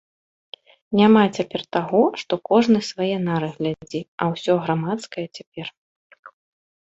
Няма цяпер таго, што кожны свае нары глядзі, а ўсё грамадскае цяпер.